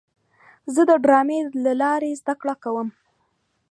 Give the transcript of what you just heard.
زه د ډرامې له لارې زده کړه کوم.